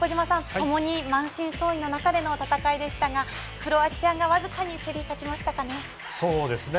共に満身創痍の中での戦いでしたがクロアチアが、僅かに競り勝ちましたかね。